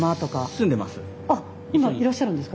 住んでます。